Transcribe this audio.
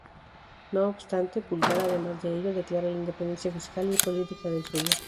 No obstante Pulgar además de ello, declara la independencia fiscal y política del Zulia.